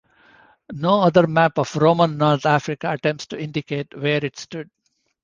No other map of Roman North Africa attempts to indicate where it stood.